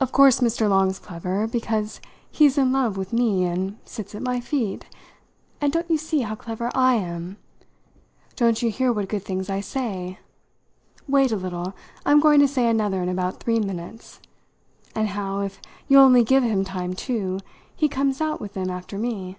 'Of course Mr. Long's clever, because he's in love with me and sits at my feet, and don't you see how clever I am? Don't you hear what good things I say wait a little, I'm going to say another in about three minutes; and how, if you'll only give him time too, he comes out with them after me?